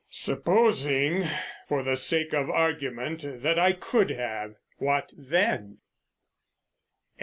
"Supposing for the sake of argument that I could have. What then?"